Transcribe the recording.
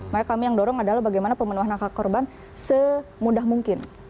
maka kami yang dorong adalah bagaimana pemenuhan hak hak korban semudah mungkin